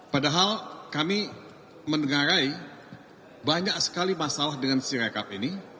padahal kami mendengarai banyak sekali masalah dengan sirekap ini